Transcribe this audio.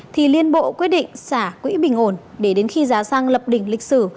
thì liên bộ quyết định xả quỹ bình ổn để đến khi giá xăng lập đỉnh lịch sử